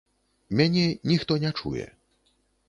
Мяне ніхто не чуе.